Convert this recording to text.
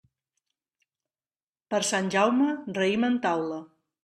Per Sant Jaume, raïm en taula.